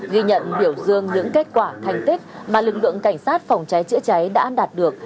ghi nhận biểu dương những kết quả thành tích mà lực lượng cảnh sát phòng cháy chữa cháy đã đạt được